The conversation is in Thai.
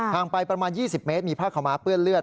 ทางไปประมาณ๒๐เมตรมีผ้าขาวม้าเปื้อนเลือด